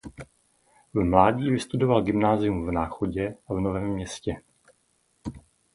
V mládí vystudoval gymnázium v Náchodě a v Novém Městě.